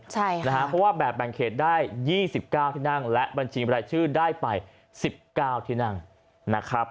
เพราะว่าแบบแบ่งเขตได้๒๙ที่นั่งและบัญชีบรายชื่อได้ไป๑๙ที่นั่งนะครับ